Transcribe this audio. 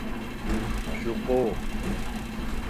شوقو